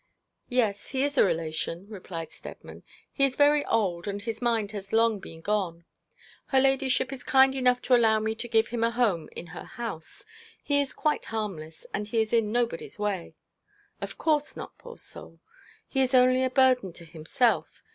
'Yes, he is a relation,' replied Steadman. 'He is very old, and his mind has long been gone. Her ladyship is kind enough to allow me to give him a home in her house. He is quite harmless, and he is in nobody's way.' 'Of course not, poor soul. He is only a burden to himself.